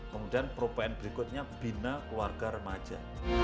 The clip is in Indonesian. kemudian pro pn berikutnya bina keluarga remaja